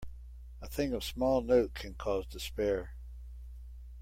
A thing of small note can cause despair.